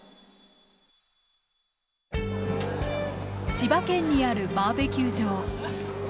千葉県にあるバーベキュー場。